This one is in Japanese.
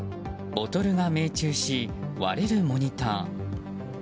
ボトルが命中し、割れるモニター。